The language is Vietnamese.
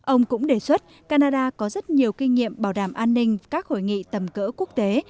ông cũng đề xuất canada có rất nhiều kinh nghiệm bảo đảm an ninh các hội nghị tầm cỡ quốc tế